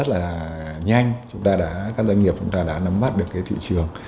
rất là nhanh chúng ta đã các doanh nghiệp chúng ta đã nắm bắt được cái thị trường